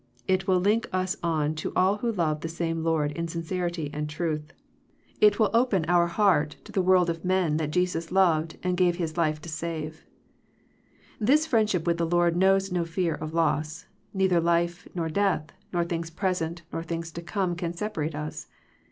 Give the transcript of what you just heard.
It will link us on to all who love the same Lord in sincerity and truth. It will open 229 Digitized by VjOOQIC THE HIGHER FRIENDSHIP our heart to the world of men that Jesus loved and gave His life to save. This friendship with the Lord knows no fear of loss; neither life, nor death, nor things present, nor things to come can separate us.